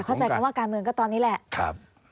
เข้าใจกันว่าการเมืองก็ตอนนี้แหละ